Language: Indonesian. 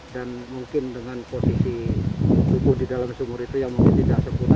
mungkin dengan posisi tubuh di dalam sumur itu yang mungkin tidak sempurna